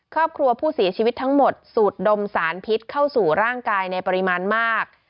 ครอบครัวผู้เสียชีวิตทั้งหมดสูดดมสารพิษเข้าสู่ร่างกายในปริมาณมาก